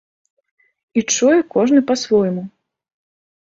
І чуе кожны па-свойму.